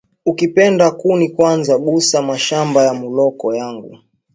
Uki penda kuni kwaza gusa mashamba ya muloko yangu